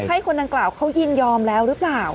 ให้คนดังกล่าวเขายินยอมแล้วหรือเปล่า